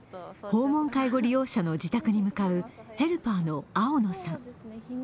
訪問介護利用者の自宅に向かうヘルパーの青野さん。